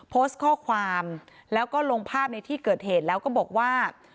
โพสต์ข้อความแล้วก็ลงภาพในที่เกิดเหตุแล้วก็บอกว่า